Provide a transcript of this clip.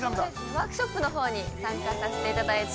◆ワークショップのほうに参加させていただいて。